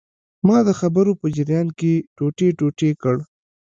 ما د خبرو په جریان کې ټوټې ټوټې کړ.